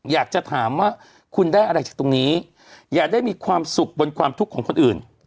อยากจะถามว่าคุณได้อะไรจากตรงนี้อย่าได้มีความสุขบนความทุกข์ของคนอื่น